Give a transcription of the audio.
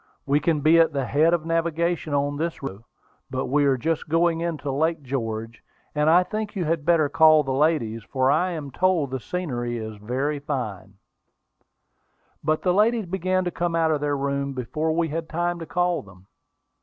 "We can be at the head of navigation on this river to night, if you say so. But we are just going into Lake George, and I think you had better call the ladies, for I am told the scenery is very fine." But the ladies began to come out of their room before we had time to call them.